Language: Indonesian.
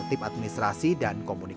saya tidak lagi mengandalkan suami